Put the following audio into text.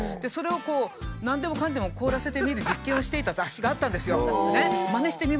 それをこう何でもかんでも凍らせてみる実験をしていた雑誌があったんですよ。